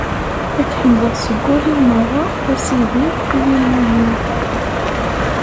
Ad k-ḥemdeɣ seg wul-iw merra, a Sidi, a Illu-iw!